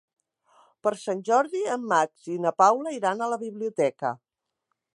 Per Sant Jordi en Max i na Paula iran a la biblioteca.